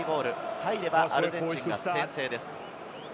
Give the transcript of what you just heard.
入ればアルゼンチンが先制です。